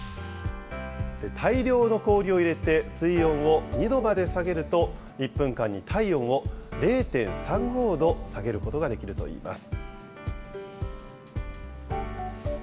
大量の氷を入れて水温を２度まで下げると、１分間に体温を０．３５度下げることができるといいます。